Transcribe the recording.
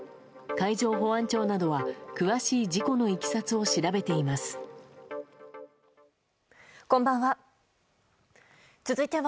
海上保安庁などは詳しい事故のいきさつをこんばんは。